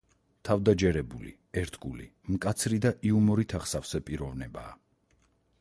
თავდაჯერებული, ერთგული, მკაცრი და იუმორით აღსავსე პიროვნებაა.